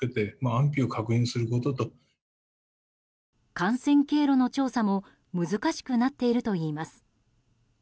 感染経路の調査も難しくなっているといいます。